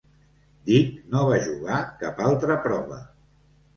Dick no va jugar cap altra prova.